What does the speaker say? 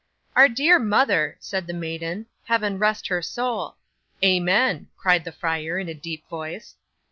'"Our dear mother," said the maiden; "Heaven rest her soul!" '"Amen!" cried the friar in a deep voice.